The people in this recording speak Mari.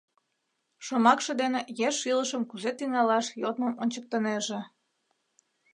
Шомакше дене еш илышым кузе тӱҥалаш йодмым ончыктынеже.